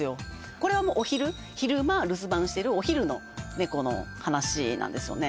これはお昼昼間留守番してるお昼のねこの話なんですよね